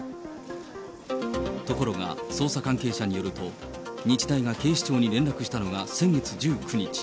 ところが、捜査関係者によると、日大が警視庁に連絡したのが先月１９日。